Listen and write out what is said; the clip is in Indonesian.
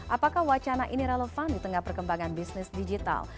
apakah wacana ini relevan di tengah perkembangan bisnis digital